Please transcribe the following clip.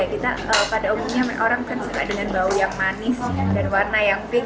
untuk valentine pada umumnya orang suka dengan bau yang manis dan warna yang pink